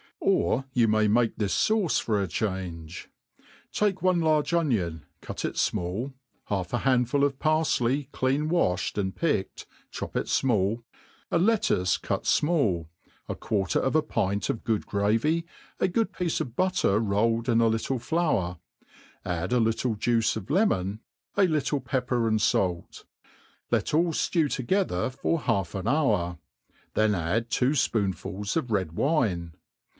Or you may make this fauce for change : take one large onion, cut it fmall, half a handful of parfley clean waihed and picked, chop it fmall, a lettuce cut fmall, a quarter of a pint of good gravy, a good piece of butter rolled in a little flour;, add a little juice of lemon^ a little pepper and fait;, let all flew together for half an hour ; then add two fpoonfuls of red wine.